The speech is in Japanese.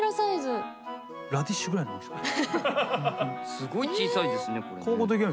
すごい小さいですねこれね。